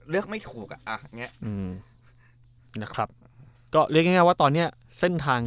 เลือกไม่ถูก